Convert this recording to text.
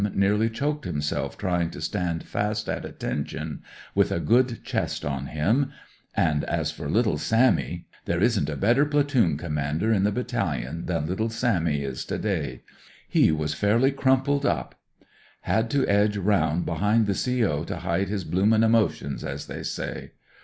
nearly choked himself trying to stand fast at attention with a good chest on him ; and as for little Sammy — there isn*t a better platoon commander in the Battalion than little Sammy is to day — he was fairly crumpled up. Had to edge round behind the CO. to hide his blooming emotions, as they say.